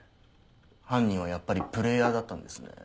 犯人はやっぱりプレイヤーだったんですね。